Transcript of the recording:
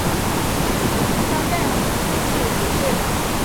升任户部主事。